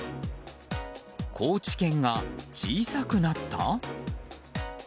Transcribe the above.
高知県が小さくなった？